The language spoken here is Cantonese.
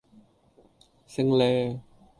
升呢